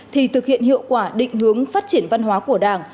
thì thực hiện hiệu quả định hướng phát triển văn hóa của đảng